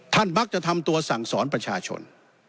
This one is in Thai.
มักจะทำตัวสั่งสอนประชาชน